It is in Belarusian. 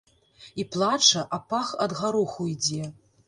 І плача, а пах ад гароху ідзе.